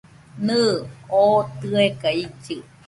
Nɨɨ, oo tɨeka illɨ .